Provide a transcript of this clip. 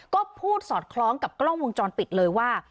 ก็พูดสอดคล้องกับกล้องวงจรปิดเลยว่า